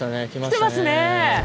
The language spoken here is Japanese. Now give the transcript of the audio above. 来てますね。